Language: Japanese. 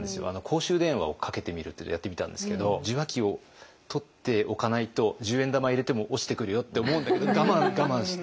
公衆電話をかけてみるっていうのやってみたんですけど受話器を取っておかないと十円玉入れても落ちてくるよって思うんだけど我慢我慢。